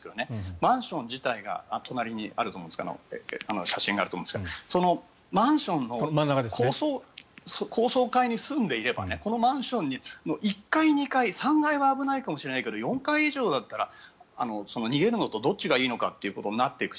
マンション自体が隣に写真があると思うんですがマンションの高層階に住んでいればこのマンションの１階、２階、３階は危ないかもしれないけど４階以上だったら逃げるのとどっちがいいのかということになっていくし